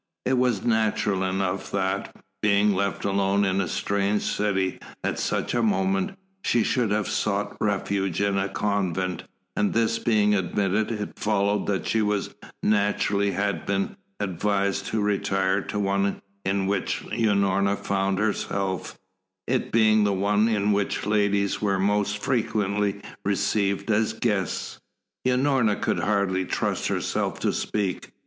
It was natural enough that, being left alone in a strange city at such a moment, she should have sought refuge in a convent, and this being admitted it followed that she would naturally have been advised to retire to the one in which Unorna found herself, it being the one in which ladies were most frequently received as guests. Unorna could hardly trust herself to speak.